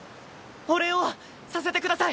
お礼をさせてください。